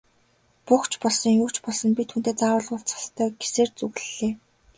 Буг ч болсон, юу ч болсон би түүнтэй заавал уулзах ёстой гэсээр зүглэлээ.